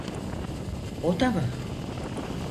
O da mı?